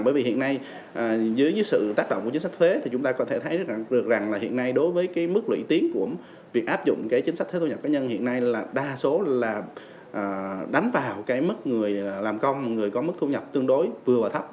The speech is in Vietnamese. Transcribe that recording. bởi vì hiện nay dưới sự tác động của chính sách thuế thì chúng ta có thể thấy được rằng là hiện nay đối với cái mức lưỡi tiến của việc áp dụng cái chính sách thuế thu nhập cá nhân hiện nay là đa số là đánh vào cái mức người làm công người có mức thu nhập tương đối vừa và thấp